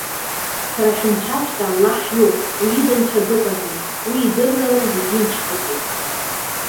Шәара шәынцәаҵәҟьа Аллаҳ иоуп, Уи ида нцәа дыҟаӡам. Уи, идыррала зегьы имҽхакуп.